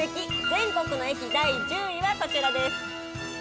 全国の駅第１０位はこちらです。